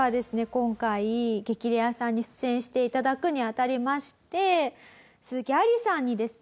今回『激レアさん』に出演して頂くにあたりまして鈴木愛理さんにですね